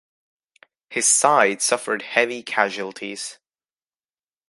His side suffered heavy casualties.